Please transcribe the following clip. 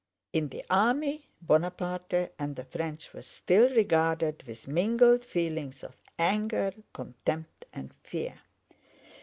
In the army, Bonaparte and the French were still regarded with mingled feelings of anger, contempt, and fear.